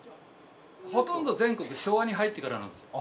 ほとんど全国昭和に入ってからなんですよ。